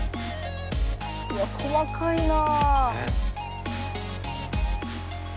うわ細かいなあ。ね。